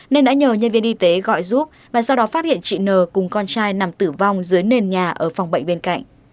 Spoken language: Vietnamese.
nên đã nhờ nhân viên y tế gọi giúp và sau đó phát hiện chị n cùng con trai nằm tử vong dưới nền nhà ở phòng bệnh bên cạnh